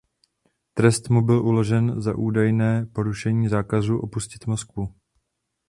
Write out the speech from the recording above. Trest mu byl uložen za údajné porušení zákazu opustit Moskvu.